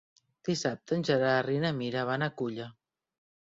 Dissabte en Gerard i na Mira van a Culla.